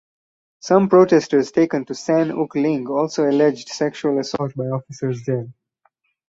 Some protesters taken to San Uk Ling also alleged sexual assault by officers there.